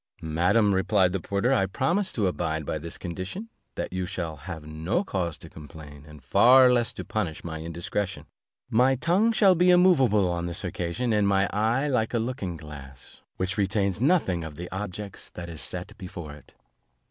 "Madam," replied the porter, "I promise to abide by this condition, that you shall have no cause to complain, and far less to punish my indiscretion; my tongue shall be immovable on this occasion, and my eye like a looking glass, which retains nothing of the objets that is set before it."